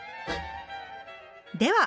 では